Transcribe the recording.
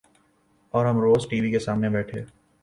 اور ہم روز ٹی وی کے سامنے بیٹھے